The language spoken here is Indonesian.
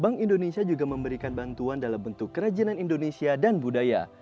bank indonesia juga memberikan bantuan dalam bentuk kerajinan indonesia dan budaya